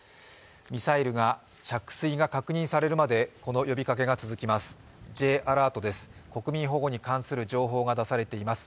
ミサイルの着水が確認されるまでこの呼びかけが続きます。